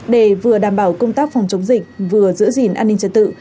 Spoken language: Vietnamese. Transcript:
để vừa đảm bảo công tác phòng chống dịch vừa giữ gìn an ninh trật tự